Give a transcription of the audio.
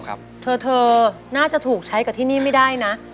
ว่ามอาธิบาทที่นี่ไม่ได้นะ